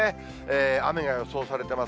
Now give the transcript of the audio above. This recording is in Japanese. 雨が予想されてます。